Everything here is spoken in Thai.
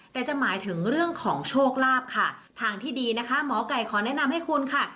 แต่จะหมายถึงเรื่องของโชคลาภค่ะทางที่ดีนะคะหมอไก่ขอแนะนำให้คุณค่ะ